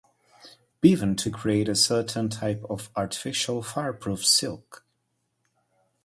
Bevan to create a certain type of artificial fireproof silk.